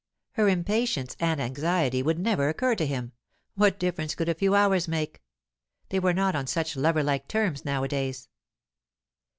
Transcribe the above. Her impatience and anxiety would never occur to him; what difference could a few hours make? They were not on such lover like terms nowadays.